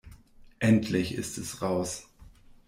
Endlich ist es raus!